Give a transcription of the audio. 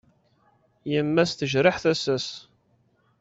Yemma-s tejreḥ tasa-s.